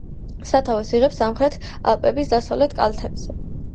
სათავეს იღებს სამხრეთ ალპების დასავლეთ კალთებზე.